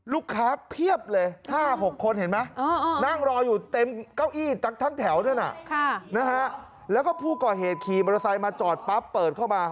เพียบเลย๕๖คนเห็นไหมนั่งรออยู่เต็มเก้าอี้ทั้งแถวนั้นแล้วก็ผู้ก่อเหตุขี่มอเตอร์ไซค์มาจอดปั๊บเปิดเข้ามา